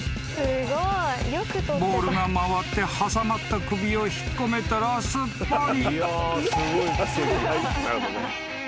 ［ボウルが回って挟まった首を引っ込めたらすっぽり］